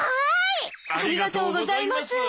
ありがとうございます。